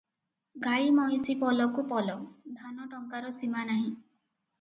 ଗାଈ ମଇଁଷି ପଲକୁ ପଲ, ଧାନ ଟଙ୍କାର ସୀମା ନାହିଁ ।